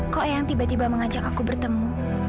kok yang tiba tiba mengajak aku bertemu